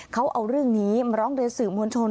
เขาเอาเรื่องนี้มาร้องเรียนสื่อมวลชน